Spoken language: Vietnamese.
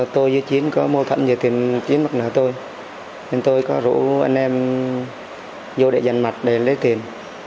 tôi với chiến có mô thận về tiền chiến mặt nạ tôi nên tôi có rủ anh em vô để dành mặt để lấy tiền